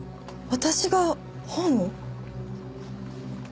私が本を？